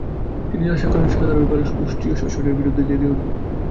তিনি আশা করেন সাধারণ মানুষ অস্ট্রীয় শাসনের বিরুদ্ধে জেগে উঠবে।